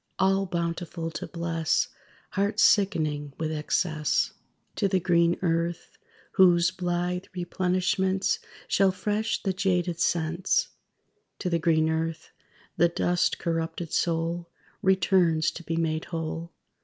All bountiful to bless Hearts sickening with excess. To the green earth, whose blithe replenishments Shall fresh the jaded sense! To the green earth, the dust corrupted soul Returns to be made whole.